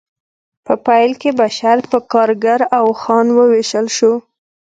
په پیل کې بشر په کارګر او خان وویشل شو